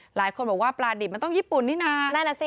หลายคนบอกว่าปลาดิบมันต้องญี่ปุ่นนี่นะนั่นแหละสิ